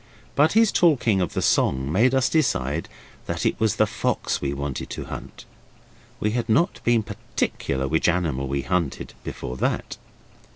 But his talking of the song made us decide that it was the fox we wanted to hunt. We had not been particular which animal we hunted before that.